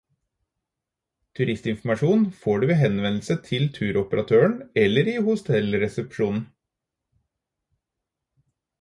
Turistinformasjon får du ved henvendelse til turoperatøren eller i hotellresepsjonen.